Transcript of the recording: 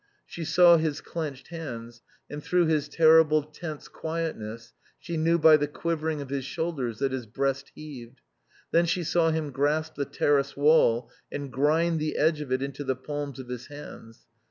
She saw his clenched hands, and through his terrible, tense quietness she knew by the quivering of his shoulders that his breast heaved. Then she saw him grasp the terrace wall and grind the edge of it into the palms of his hands.